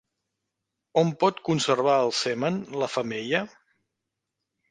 On pot conservar el semen la femella?